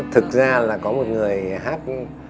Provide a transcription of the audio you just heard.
thực ra là có một người hát